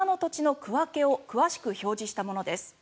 また、こちらは島の土地の区分けを詳しく表示したものです。